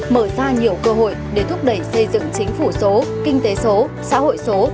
mở ra nhiều cơ hội để thúc đẩy xây dựng chính phủ số kinh tế số xã hội số